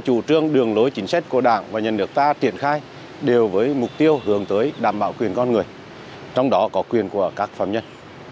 chủ trương đường lối chính sách của đảng và nhân nước ta triển khai đều với mục tiêu hướng tới đảm bảo quyền con người trong đó có quyền của các phạm nhân